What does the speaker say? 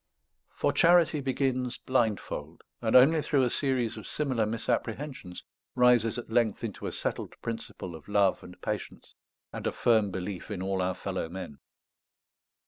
For charity begins blindfold; and only through a series of similar misapprehensions rises at length into a settled principle of love and patience, and a firm belief in all our fellow men.